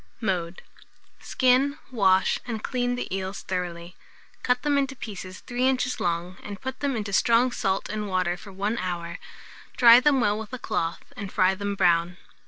Mode. Skin, wash, and clean the eels thoroughly; cut them into pieces 3 inches long, and put them into strong salt and water for 1 hour; dry them well with a cloth, and fry them brown.